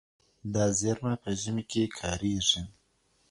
دا زېرمه په ژمي کې کارېږي.